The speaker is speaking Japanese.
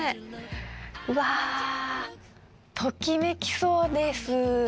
うわときめきそうです。